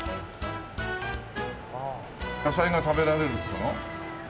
ああ野菜が食べられるっていうの？